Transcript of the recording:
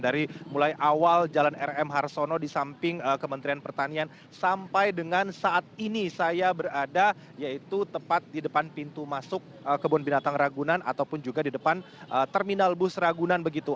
dari mulai awal jalan rm harsono di samping kementerian pertanian sampai dengan saat ini saya berada yaitu tepat di depan pintu masuk kebun binatang ragunan ataupun juga di depan terminal bus ragunan begitu